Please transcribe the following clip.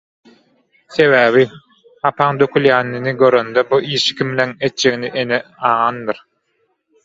Sebäbi, hapaň dökülýänini görenden bu işi kimleň etjegini ene aňandyr.